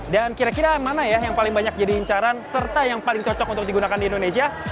kira kira mana ya yang paling banyak jadi incaran serta yang paling cocok untuk digunakan di indonesia